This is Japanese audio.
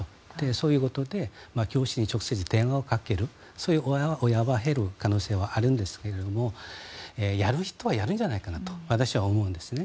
そういうことで教師に直接電話をかけるそういう親は減る可能性はあるんですけれどもやる人はやるんじゃないかなと私は思うんですね。